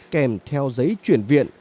kèm theo giấy chuyển viện